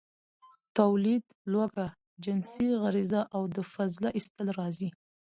، توليد، لوږه، جنسي غريزه او د فضله ايستل راځي.